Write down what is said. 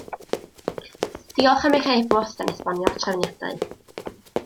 Diolch am eich e-bost yn esbonio'r trefniadau